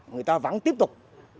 người ta vẫn tiếp tục